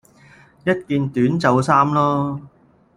一件短袖衫囉